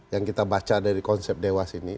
yang kita baca dari konsep dewas ini